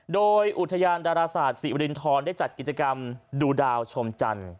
โดยอุทยานดาราศาสตร์ศิรินทรได้จัดกิจกรรมดูดาวชมจันทร์